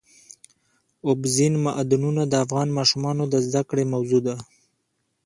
اوبزین معدنونه د افغان ماشومانو د زده کړې موضوع ده.